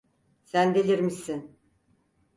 Sen delirmişsin!